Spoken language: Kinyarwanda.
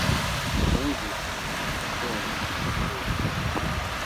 numvise, muri iki gitondo, mbyuka